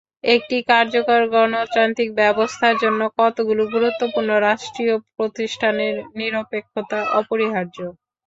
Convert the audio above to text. একটি কার্যকর গণতান্ত্রিক ব্যবস্থার জন্য কতগুলো গুরুত্বপূর্ণ রাষ্ট্রীয় প্রতিষ্ঠানের নিরপেক্ষতা অপরিহার্য।